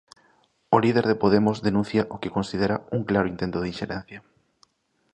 O líder de Podemos denuncia o que considera "un claro intento de inxerencia".